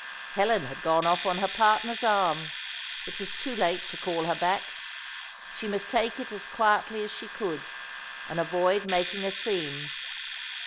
Helen had gone off on her partner's arm. It was too late to call her back. She must take it as quietly as she could, and avoid making a scene.